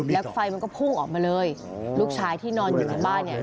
แล้วไฟมันก็พุ่งออกมาเลยลูกชายที่นอนอยู่ในบ้านเนี่ย